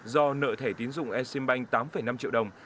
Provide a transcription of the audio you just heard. do nợ thẻ tín dụng e sim banh tám năm triệu đồng